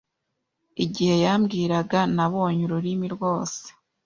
Igihe yambwiraga, nabonye ururimi rwose.